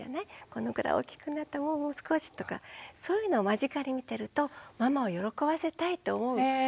このぐらい大きくなってもう少しとかそういうのを間近で見てるとママを喜ばせたいと思う気持ちもあるのかな。